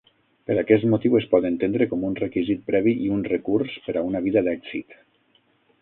Per aquest motiu, es pot entendre com un requisit previ i un recurs per a una vida d'èxit.